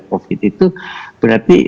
covid itu berarti